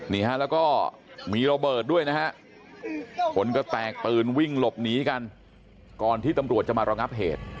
นี่ฮะแล้วก็มีระเบิดด้วยนะฮะคนก็แตกตื่นวิ่งหลบหนีกันก่อนที่ตำรวจจะมาระงับเหตุ